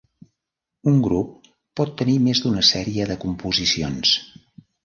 Un grup pot tenir més d'una sèrie de composicions.